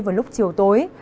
vào lúc chiều tối